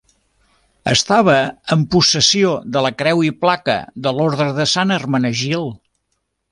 Estava en possessió de la creu i placa de l'Orde de Sant Hermenegild.